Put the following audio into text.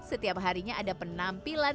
setiap harinya ada penampilan